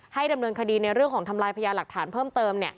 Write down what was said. ดำเนินคดีในเรื่องของทำลายพญาหลักฐานเพิ่มเติม